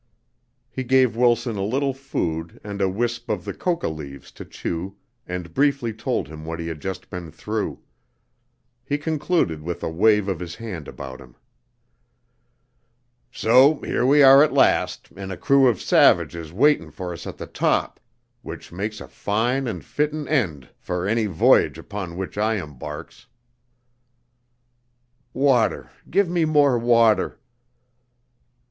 He gave Wilson a little food and a wisp of the coca leaves to chew and briefly told him what he had just been through. He concluded with a wave of his hand about him. "So here we are at last, an' a crew of savages waitin' fer us at the top, which makes a fine and fittin' end fer any v'yage upon which I embarks." "Water give me more water."